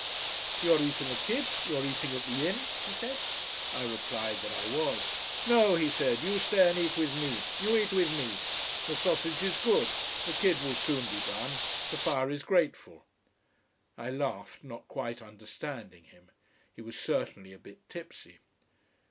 "You are eating the kid? You are eating at the inn?" he said. I replied that I was. "No," he said. "You stay and eat with me. You eat with me. The sausage is good, the kid will soon be done, the fire is grateful." I laughed, not quite understanding him. He was certainly a bit tipsy.